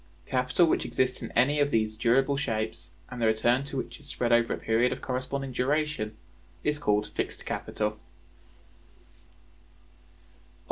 Capital which exists in any of these durable shapes, and the return to which is spread over a period of corresponding duration, is called Fixed Capital.